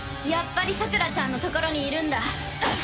やっぱりさくらちゃんの所にいるんだ。